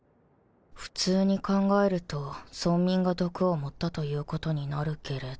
普通に考えると村民が毒を盛ったということになるけれど